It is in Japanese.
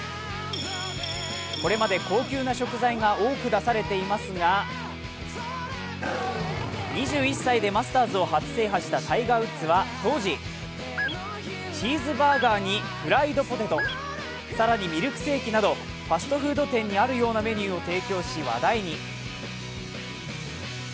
これまで高級な食材が多く出されていますが、２１歳でマスターズを初制覇したタイガーは当時、チーズバーガーにフライドポテト、更にミルクセーキなどファストフード店にあるようなメニューを提供し、話題に。